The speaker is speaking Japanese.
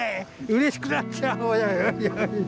うれしくなっちゃう。